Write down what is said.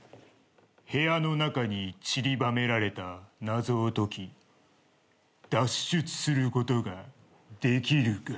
「部屋の中にちりばめられた謎を解き脱出することができるか？」